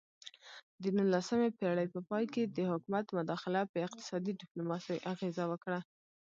د نولسمې پیړۍ په پای کې د حکومت مداخله په اقتصادي ډیپلوماسي اغیزه وکړه